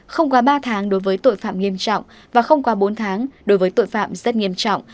không quá ba tháng đối với tội phạm nghiêm trọng và không qua bốn tháng đối với tội phạm rất nghiêm trọng